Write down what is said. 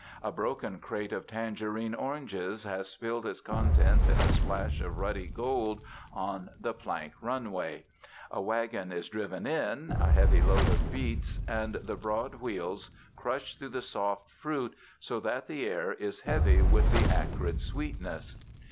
A broken crate of tangerine oranges has spilled its contents in a splash of ruddy gold on the plank runway. A wagon is driven in, a heavy load of beets, and the broad wheels crush through the soft fruit so that the air is heavy with the acrid sweetness.